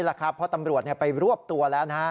เพราะตำรวจไปรวบตัวแล้วนะฮะ